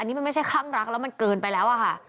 นี่มันไม่ใช่คลั่งรักแล้วมันเกินไปแล้วอะค่ะ